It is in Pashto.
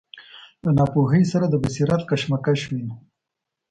له ناپوهۍ سره د بصیرت کشمکش وینو.